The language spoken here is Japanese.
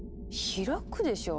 開くでしょ。